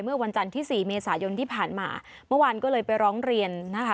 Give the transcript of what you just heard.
เมื่อวันจันทร์ที่สี่เมษายนที่ผ่านมาเมื่อวานก็เลยไปร้องเรียนนะคะ